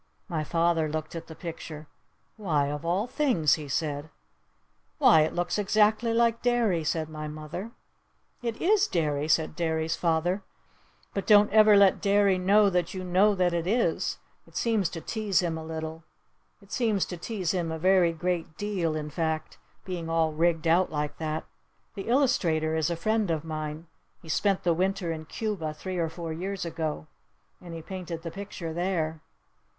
My father looked at the picture. "Why, of all things," he said. "Why, it looks exactly like Derry!" said my mother. "It is Derry!" said Derry's father. "But don't ever let Derry know that you know that it is! It seems to tease him a little. It seems to tease him a very great deal in fact. Being all rigged out like that. The illustrator is a friend of mine. He spent the Winter in Cuba three or four years ago. And he painted the picture there."